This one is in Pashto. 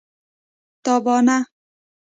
تابانه